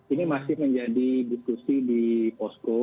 ini masih menjadi diskusi di posko